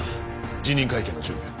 辞任会見の準備を。